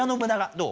どう？